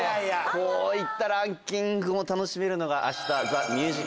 こういったランキングも楽しめるのが。